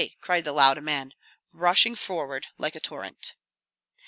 cried the Lauda men, rushing forward like a torrent.